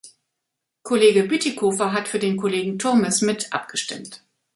Kollege Bütikofer hat für den Kollegen Turmes mit abgestimmt.